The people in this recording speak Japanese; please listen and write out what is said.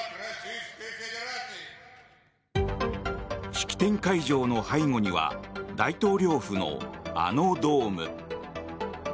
式典会場の背後には大統領府のあのドーム。